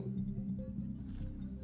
itu jelas bukan novum